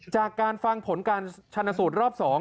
จากการฟังผลการชนสูตรรอบ๒